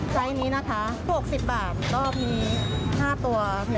ไซส์นี้นะคะ๖๐บาทรอบนี้๕ตัว๑๐๘ตัว